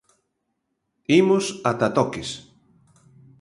Imos ata Toques.